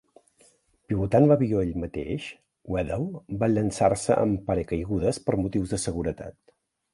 Pilotant l'avió ell mateix, Wedell va llançar-se amb paracaigudes per motius de seguretat.